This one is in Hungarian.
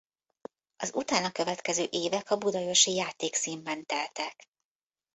Az utána következő évek a Budaörsi Játékszínben teltek.